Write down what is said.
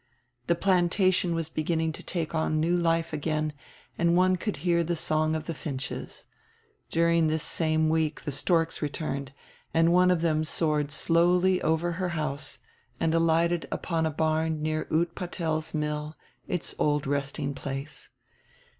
The "Plantation" was beginning to take on new life again and one could hear die song of die finches. During diis same week die storks returned, and one of diem soared slowly over her house and alighted upon a barn near Utpatel's mill, its old resting place.